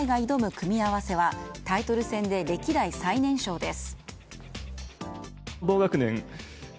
組み合わせはタイトル戦で歴代最年少です。